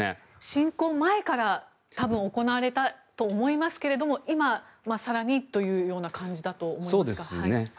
侵攻前から多分、行われたと思いますが今、更にというような感じだと思いますか？